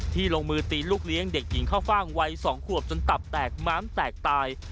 ลงมือตีลูกเลี้ยงเด็กหญิงเข้าฟ่างวัย๒ขวบจนตับแตกม้ามแตกตาย